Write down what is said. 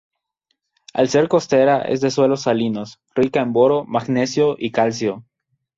Al ser costera es de suelos salinos, rica en boro, magnesio y calcio.